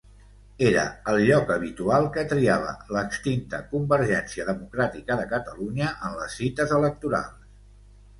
Era el lloc habitual que triava l'extinta Convergència Democràtica de Catalunya en les cites electorals.